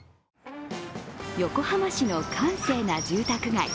横浜市の閑静な住宅街。